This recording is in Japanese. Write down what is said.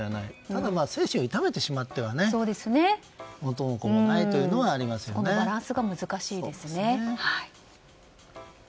ただ、精神を痛めてしまっては元も子もないというのはそのバランスが難しいですね。